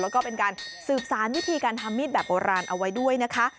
แล้วก็เป็นการสืบสารวิธีการทำมีดแบบโบราณเอาไว้ด้วยนะคะ